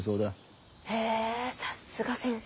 へさっすが先生。